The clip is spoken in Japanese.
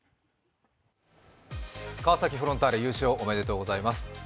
川崎フロンターレ、優勝おめでとうございます。